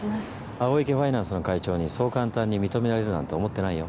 青池ファイナンスの会長にそう簡単に認められるなんて思ってないよ。